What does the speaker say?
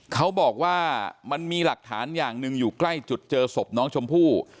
เขาบอกว่ามันมีหลักฐานอย่างหนึ่งอยู่ใกล้จุดเจอศพน้องชมพู่